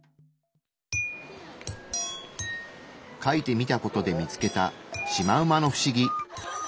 描いてみた事で見つけたシマウマのフシギ。